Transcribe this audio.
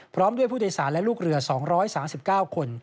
พร้อมด้วยผู้โดยสารและลูกเรือ๒๓๙คน